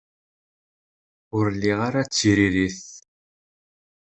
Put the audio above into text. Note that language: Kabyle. Ur liɣ ara tiririt.